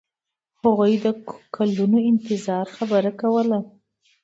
هغوی د کلونو انتظار خبره کوله.